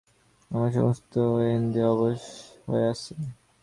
আমার সমস্ত ইন্দ্রিয় অবশ হয়ে আসে।